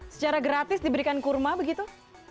secara gratis diberikan kurma begitu